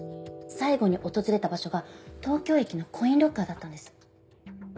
最後に訪れた場所が東京駅のコインロッカーだったんです。